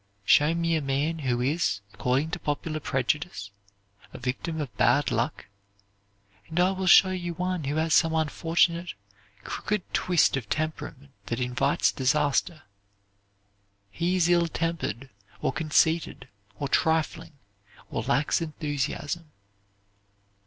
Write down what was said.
Show me a man who is, according to popular prejudice, a victim of bad luck, and I will show you one who has some unfortunate, crooked twist of temperament that invites disaster, He is ill tempered, or conceited, or trifling, or lacks enthusiasm."